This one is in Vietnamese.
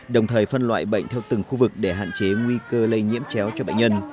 đồng thời phân loại bệnh theo từng khu vực để hạn chế nguy cơ lây nhiễm chéo cho bệnh nhân